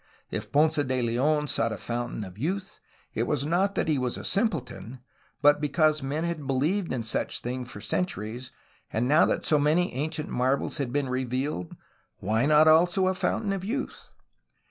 If Ponce de Le6n sought a fountain of youth, it was not that he was a simpleton, but because men had believed in such a thing for centuries, and now that so many of the ancient marvels had been revealed, why not also a fountain of youth?